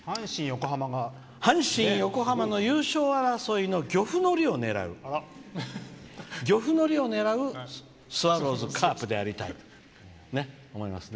阪神・横浜の優勝争いの漁夫の利を狙うスワローズカープでありたい。